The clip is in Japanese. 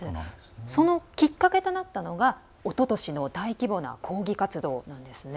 そのきっかけとなったのがおととしの大規模な抗議活動なんですね。